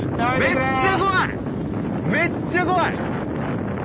めっちゃ怖い！